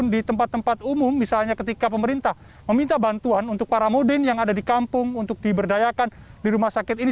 di tempat tempat umum misalnya ketika pemerintah meminta bantuan untuk para mudin yang ada di kampung untuk diberdayakan di rumah sakit ini